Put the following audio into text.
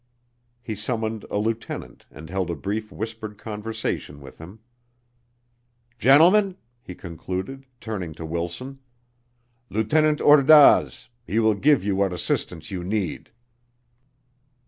He summoned a lieutenant and held a brief whispered conversation with him. "Gentlemen," he concluded, turning to Wilson, "Lieutenant Ordaz he will give you what assistance you need."